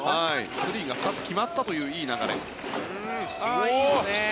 スリーが２つ決まったといういい流れ。